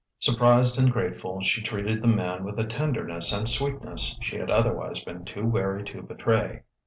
Surprised and grateful, she treated the man with a tenderness and sweetness she had otherwise been too wary to betray....